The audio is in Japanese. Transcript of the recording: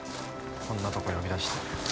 こんなとこ呼び出して。